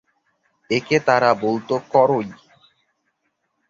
একে তারা বলত ‘করই’।